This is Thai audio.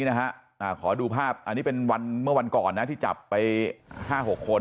ขอดูภาพอันนี้เป็นวันเมื่อวันก่อนนะที่จับไป๕๖คน